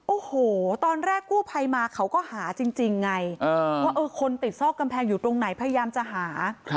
โอ้โหตอนแรกกู้ภัยมาเขาก็หาจริงไงว่าคนติดซอกกำแพงอยู่ตรงไหนพยายามจะหา